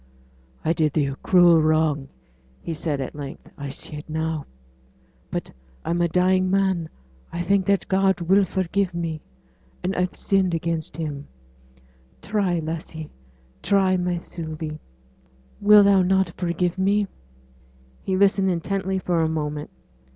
'I did thee a cruel wrong,' he said, at length. 'I see it now. But I'm a dying man. I think that God will forgive me and I've sinned against Him; try, lassie try, my Sylvie will not thou forgive me?' He listened intently for a moment.